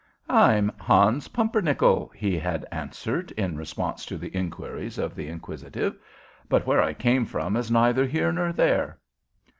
"I'm Hans Pumpernickel," he had answered, in response to the inquiries of the inquisitive. "But where I came from is neither here nor there."